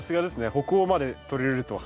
北欧まで取り入れるとは。